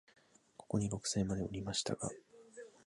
ここに六歳までおりましたが、